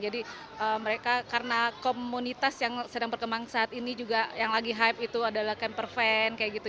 jadi mereka karena komunitas yang sedang berkembang saat ini juga yang lagi hype itu adalah camper van kayak gitu